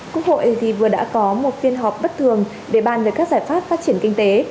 quốc hội vừa đã có một phiên họp bất thường để bàn về các giải pháp phát triển kinh tế